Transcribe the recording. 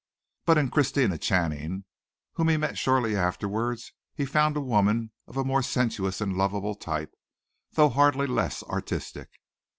But in Christina Channing, whom he met shortly afterward, he found a woman of a more sensuous and lovable type, though hardly less artistic.